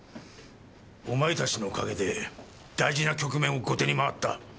お前たちのおかげで大事な局面を後手に回った。